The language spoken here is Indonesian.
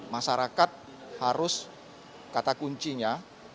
masyarakat harus kata kuncinya